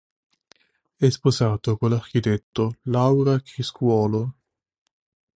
È sposato con l'architetto Laura Criscuolo.